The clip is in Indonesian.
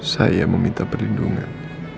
saya meminta perlindungan